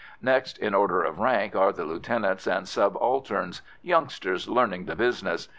Next in order of rank are the lieutenants and subalterns, youngsters learning the business.